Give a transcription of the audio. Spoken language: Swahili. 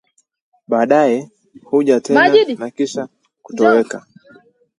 Baadaye huja tena na kisha kutoweka